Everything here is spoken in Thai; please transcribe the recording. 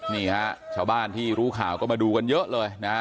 นี่ฮะชาวบ้านที่รู้ข่าวก็มาดูกันเยอะเลยนะฮะ